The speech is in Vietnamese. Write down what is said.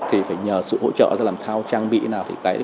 thì phải nhờ sự hỗ trợ ra làm sao trang bị nào